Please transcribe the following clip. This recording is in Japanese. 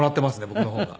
僕の方が。